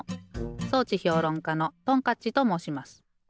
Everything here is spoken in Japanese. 装置評論家のトンカッチともうします。